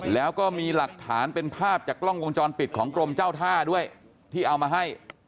แล้วก็มีหลักฐานเป็นภาพจากกล้องวงจรปิดของกรมเจ้าท่าด้วยที่เอามาให้